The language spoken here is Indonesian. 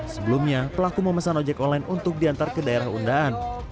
sebelumnya pelaku memesan ojek online untuk diantar ke daerah undaan